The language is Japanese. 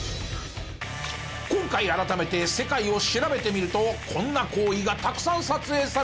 今回改めて世界を調べてみるとこんな行為がたくさん撮影されていたんです。